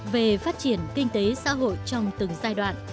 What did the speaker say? về phát triển kinh tế xã hội trong từng giai đoạn